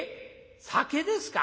酒ですか。